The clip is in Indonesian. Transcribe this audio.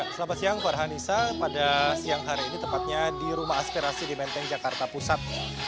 selamat siang farhanisa pada siang hari ini tepatnya di rumah aspirasi di menteng jakarta pusat